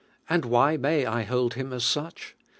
And why may I hold Him as sueh?